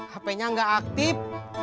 hp nya engga aktif